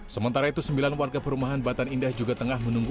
sementara itu sembilan warga perumahan batan indah juga tengah menunggu